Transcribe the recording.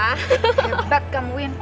hebat kan win